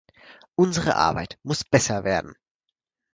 Unsere Arbeit muss besser werden.